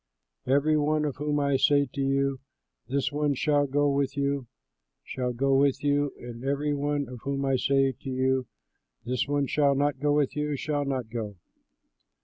Every one of whom I say to you, 'This one shall go with you,' shall go with you; and every one of whom I say to you, 'This one shall not go with you,' shall not go."